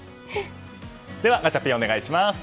では、ガチャピンお願いします。